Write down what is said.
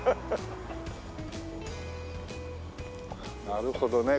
なるほどね。